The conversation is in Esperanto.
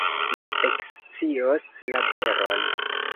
Mi ekscios la veron.